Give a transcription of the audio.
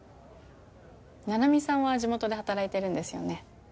菜々美さんは地元で働いてるんですよね？